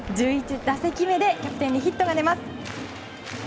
１１打席目でキャプテンにヒットが出ます。